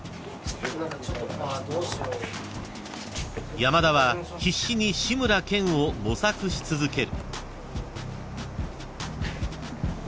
［山田は必死に志村けんを模索し続ける］